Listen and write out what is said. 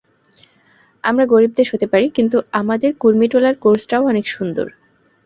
আমরা গরিব দেশ হতে পারি, কিন্তু আমাদের কুর্মিটোলার কোর্সটাও অনেক সুন্দর।